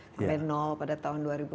sampai nol pada tahun dua ribu enam puluh